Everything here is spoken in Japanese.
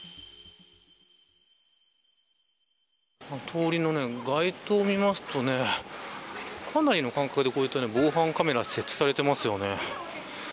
通りの街灯を見ますとかなりの間隔で防犯カメラが設置されています。